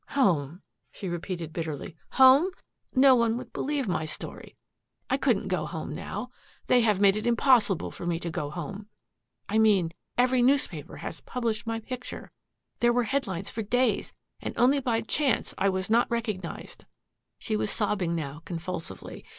"Home?" she repeated bitterly. "Home? No one would believe my story. I couldn't go home, now. They have made it impossible for me to go home. I mean, every newspaper has published my picture. There were headlines for days, and only by chance I was not recognized." She was sobbing now convulsively.